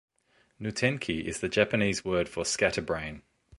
"Noutenki" is the Japanese word for "scatterbrain".